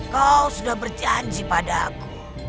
kau sudah berjanji padaku